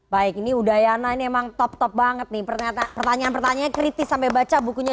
baik ini udayana ini emang top top banget nih pertanyaan pertanyaan kritis sampai baca bukunya